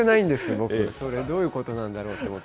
僕、それどういうことなんだろうと思って。